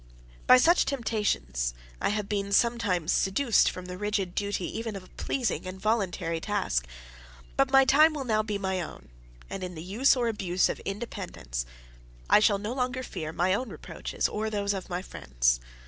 By such temptations, I have been sometimes seduced from the rigid duty even of a pleasing and voluntary task: but my time will now be my own; and in the use or abuse of independence, I shall no longer fear my own reproaches or those of my friends.